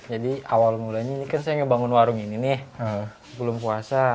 jadi awal mulanya ini kan saya ngebangun warung ini nih belum kuasa